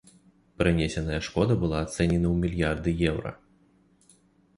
Прынесеная шкода была ацэнены ў мільярды еўра.